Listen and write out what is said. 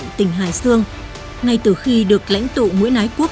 ngoài tình hài xương ngay từ khi được lãnh tụ nguyễn ái quốc